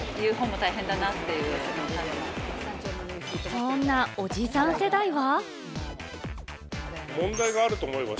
そんなおじさん世代は。